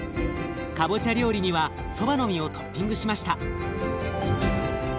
かぼちゃ料理にはそばの実をトッピングしました。